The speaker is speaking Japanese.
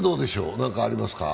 何かありますか？